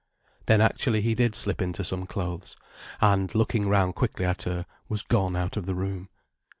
Then actually he did slip into some clothes, and, looking round quickly at her, was gone out of the room.